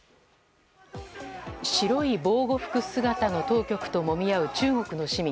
白い防護服姿の当局ともみ合う中国の市民。